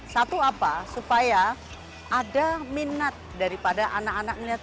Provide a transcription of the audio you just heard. satu apa supaya ada minat daripada anak anak melihat